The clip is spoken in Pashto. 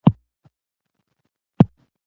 ډيوه افصل زما د پوهنتون د وخت ملګرې وه